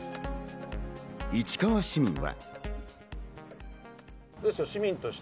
市川市民は。